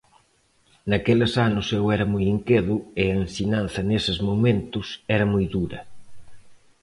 Naqueles anos eu era moi inquedo e a ensinanza neses momentos era moi dura.